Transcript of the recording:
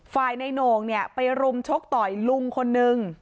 ฝ่ายในโงค์เนี่ยไปรุมชกต่อยลุงคนนึง